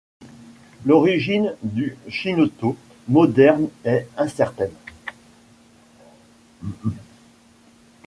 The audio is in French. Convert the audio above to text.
L'origine du chinotto moderne est incertaine.